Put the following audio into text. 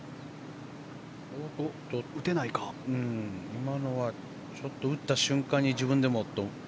今のはちょっと打った瞬間に自分でも。